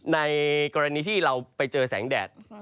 ในกรณีที่เราไปเจอแสงแดด